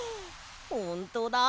ほんとだ。